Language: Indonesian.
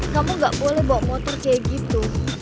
kamu gak boleh bawa motor kayak gitu